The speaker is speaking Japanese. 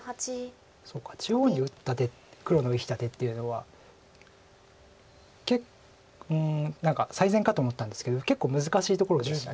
そっか中央に打った手黒の生きた手っていうのはうん何か最善かと思ったんですけど結構難しいところでした。